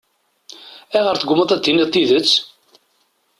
Ayɣer i teggummaḍ ad d-tiniḍ tidet?